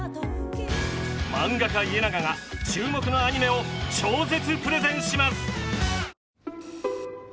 漫画家イエナガが注目のアニメを超絶プレゼンします！